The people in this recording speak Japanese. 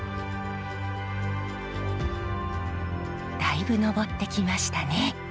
だいぶ上ってきましたね。